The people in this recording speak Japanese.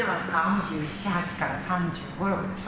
２７２８から３５３６でしょ？